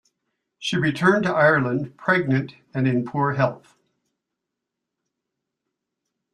She returned to Ireland pregnant and in poor health.